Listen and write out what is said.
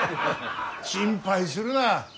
心配するな。